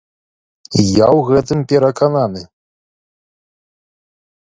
Я ў гэтым перакананы.